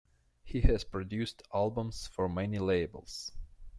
He has produced albums for many labels.